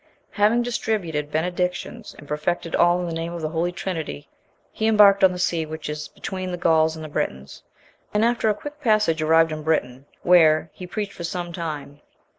Having distributed benedictions, and perfected all in the name of the Holy Trinity, he embarked on the sea which is between the Gauls and the Britons; and after a quick passage arrived in Britain, where he preached for some time.